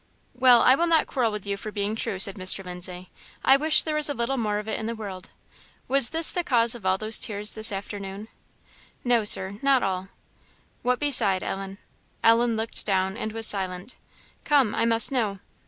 "Well, I will not quarrel with you for being true," said Mr. Lindsay; "I wish there was a little more of it in the world. Was this the cause of all those tears this afternoon?" "No, Sir not all." "What beside, Ellen?" Ellen looked down, and was silent. "Come, I must know."